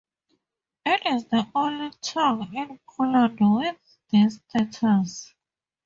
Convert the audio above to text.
It is the only tongue in Poland with this status.